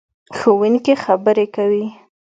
ښوونکې خبرې کوي.